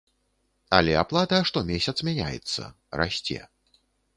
Але аплата штомесяц мяняецца, расце.